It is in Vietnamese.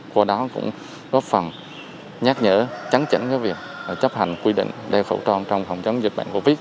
của đó cũng góp phần nhắc nhở chắn chảnh với việc chấp hành quy định đeo khẩu trang trong phòng chống dịch bệnh covid